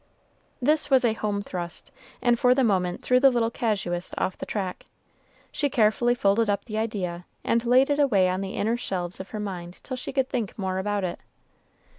This was a home thrust, and for the moment threw the little casuist off the track. She carefully folded up the idea, and laid it away on the inner shelves of her mind till she could think more about it.